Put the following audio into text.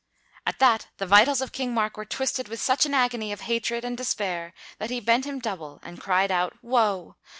At that the vitals of King Mark were twisted with such an agony of hatred and despair that he bent him double and cried out, "Woe!